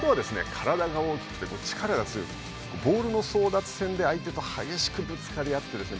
体が大きくて力が強くてボールの争奪戦で相手と激しくぶつかり合ってですね